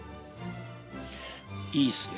いいすね。